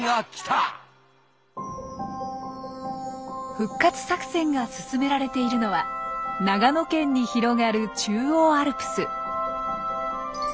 復活作戦が進められているのは長野県に広がる中央アルプス。